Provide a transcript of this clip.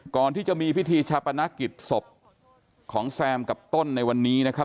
ก่อนที่จะมีพิธีชะปนักศิษย์สบของแซมกับต้นในวันนี้